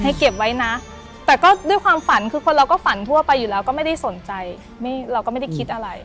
เก็บไว้นะแต่ก็ด้วยความฝันคือคนเราก็ฝันทั่วไปอยู่แล้วก็ไม่ได้สนใจเราก็ไม่ได้คิดอะไร